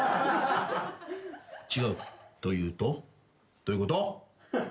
違うというとどういうこと？